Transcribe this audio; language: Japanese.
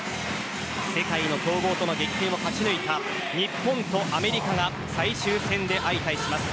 世界の強豪との激闘を勝ち抜いた日本とアメリカが最終戦で相対します。